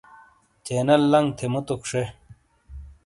چینل لنگ تھے مُوتوک شے۔